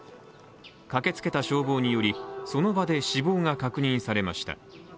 駆けつけた消防により、その場で死亡が確認されました。